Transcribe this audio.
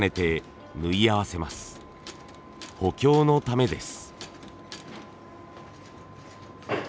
補強のためです。